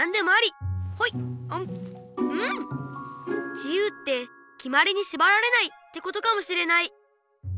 自由ってきまりにしばられないってことかもしれない。